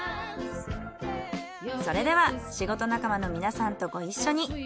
それでは仕事仲間の皆さんとご一緒に。